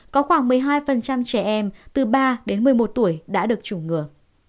có khoảng một mươi hai trẻ em từ ba đến một mươi một tuổi đã được chủng ngừa